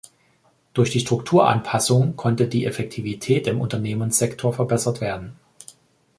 Durch die Strukturanpassung konnte die Effektivität im Unternehmenssektor verbessert werden.